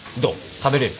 食べれる？